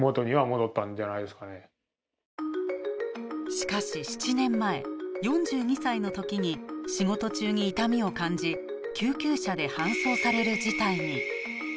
しかし７年前４２歳の時に仕事中に痛みを感じ救急車で搬送される事態に。